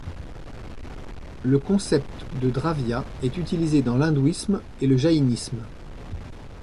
Le concept de dravya est utilisé dans l'hindouisme et le jaïnisme.